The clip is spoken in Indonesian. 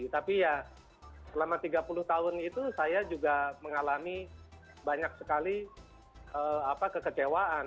tapi ya selama tiga puluh tahun itu saya juga mengalami banyak sekali kekecewaan